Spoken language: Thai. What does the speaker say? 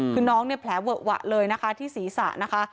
คือน้องเนี่ยแผลเวอะหวะเลยนะคะที่ศีรษะนะคะ